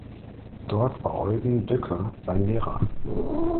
Dort war Eugen Dücker sein Lehrer.